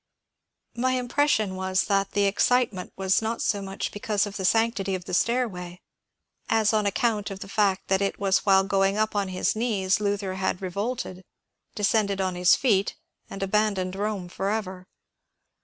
My impression was that the excitement was not so much because of the sanctity of the stairway, as on account of the fact that it was while going up on his knees Luther had re volted, descended on his feet, and abandoned Some forever.